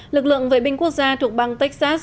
lực lượng vệ binh quốc gia thuộc bang texas